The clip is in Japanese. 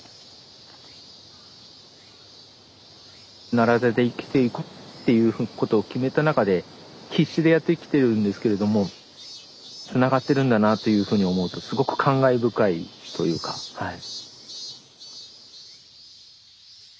奈良田で生きていくっていうことを決めた中で必死でやってきてるんですけれどもつながってるんだなというふうに思うとすごく感慨深いというかはい。